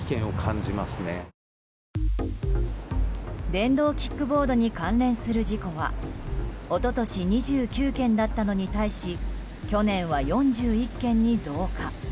電動キックボードに関連する事故は一昨年、２９件だったのに対し去年は４１件に増加。